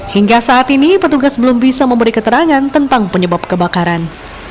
hingga saat ini petugas belum bisa memberi keterangan tentang penyebab kebakaran